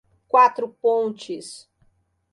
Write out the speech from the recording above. Quatro Pontes